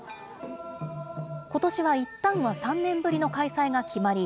ことしはいったんは３年ぶりの開催が決まり、